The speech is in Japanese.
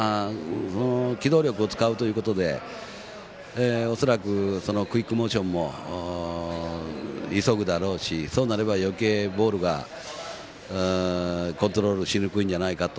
機動力を使うということで恐らく、クイックモーションも急ぐだろうしそうなれば余計ボールがコントロールをしにくいんじゃないかと。